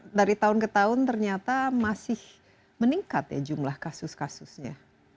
karena dari tahun ke tahun ternyata masih meningkat ya jumlah kasus kasusnya